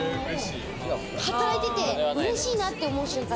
働いててうれしいなって思う瞬間